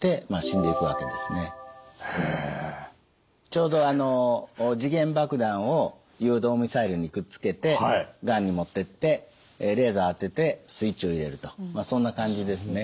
ちょうどあの時限爆弾を誘導ミサイルにくっつけてがんに持ってってレーザー当ててスイッチを入れるとそんな感じですね。